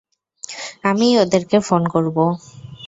আমিই ওদেরকে ফোন করবো।